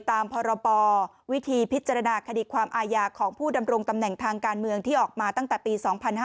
ตามพรปวิธีพิจารณาคดีความอาญาของผู้ดำรงตำแหน่งทางการเมืองที่ออกมาตั้งแต่ปี๒๕๕๙